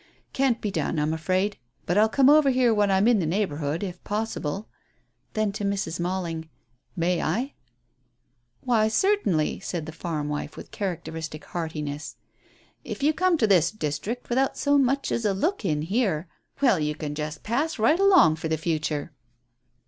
"Can't be done, I'm afraid. But I'll come over here when I'm in the neighbourhood, if possible." Then to Mrs. Malling, "May I?" "Why, certainly," said the farm wife, with characteristic heartiness. "If you come to this district without so much as a look in here, well, you can just pass right along for the future."